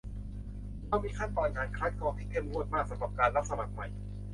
เรามีขั้นตอนการคัดกรองที่เข้มงวดมากสำหรับการรับสมัครใหม่